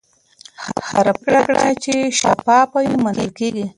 هره پرېکړه چې شفافه وي، منل کېږي.